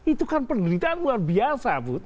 itu kan penelitian luar biasa bu